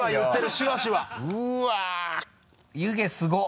湯気すごい。